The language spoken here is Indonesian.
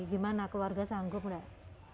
gimana keluarga sanggup mbak